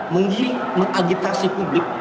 menggiring mengagitasi publik